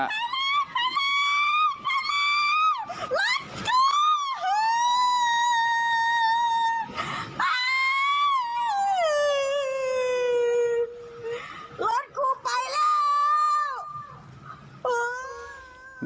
รถครูไปแล้ว